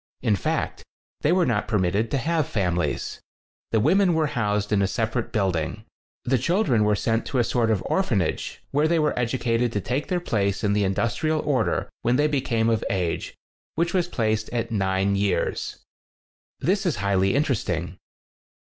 In fact, they were not permitted to have fam ilies. The women were housed in a separate building. The children were sent to a sort of an orphanage where they were educated to take their place in the industrial order when they be come of age, which was placed at nine years. ^^ 4> This is highly interesting.